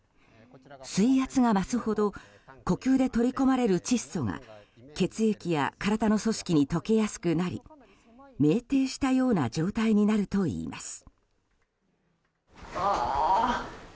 水圧が増すほど呼吸で取り込まれる窒素が血液や体の組織に溶けやすくなり酩酊したような状態になるといいます。